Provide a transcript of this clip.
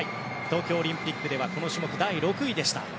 東京オリンピックではこの種目、第６位でした。